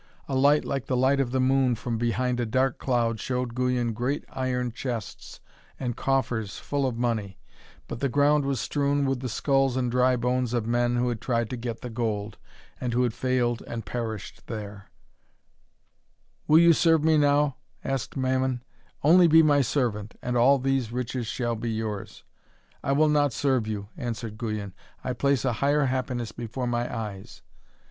A light like the light of the moon from behind a dark cloud showed Guyon great iron chests and coffers full of money, but the ground was strewn with the skulls and dry bones of men who had tried to get the gold, and who had failed and perished there. [Illustration: Great heaps of gold lay about him on every side (page 47)] 'Will you serve me now?' asked Mammon. 'Only be my servant, and all these riches shall be yours.' 'I will not serve you,' answered Guyon. 'I place a higher happiness before my eyes.'